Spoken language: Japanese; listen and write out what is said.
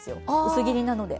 薄切りなので。